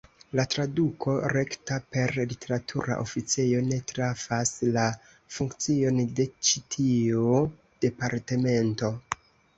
La traduko rekta per "literatura oficejo" ne trafas la funkcion de ĉi tio departemento.